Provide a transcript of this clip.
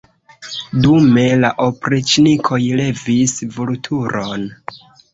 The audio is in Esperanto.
Dume la opriĉnikoj levis Vulturon.